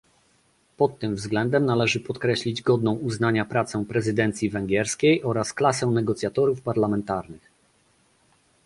Pod tym względem należy podkreślić godną uznania pracę prezydencji węgierskiej oraz klasę negocjatorów parlamentarnych